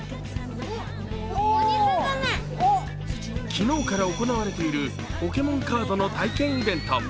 昨日から行われているポケモンカードの体験イベント。